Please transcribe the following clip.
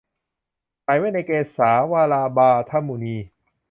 ใส่ไว้ในเกศา วระบาทะมุนี